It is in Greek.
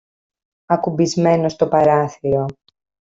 ακουμπισμένο στο παράθυρο